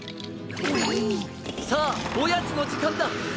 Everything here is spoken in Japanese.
さあおやつのじかんだ！